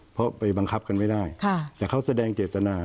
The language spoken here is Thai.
เพราะไปบังคับกันไม่ได้แต่เขาแสดงเจตนา